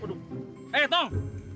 waduh eh tong